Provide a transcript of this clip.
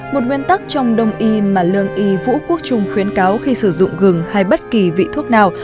một nguyên tắc trong đông y mà lương y vũ quốc trung khuyến cáo khi sử dụng gừng hay bất kỳ vị thuốc nào